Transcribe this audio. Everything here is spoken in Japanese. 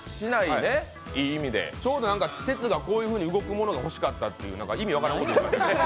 ちょうど鉄がこういうふうに動くものが欲しかったという、意味分からんこと言ってました。